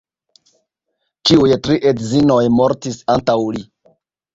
Ĉiuj tri edzinoj mortis antaŭ li.